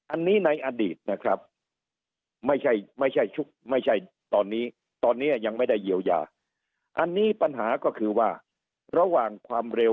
อันนี้ในอดีตนะครับไม่ใช่ตอนนี้ตอนนี้ยังไม่ได้เยียวยา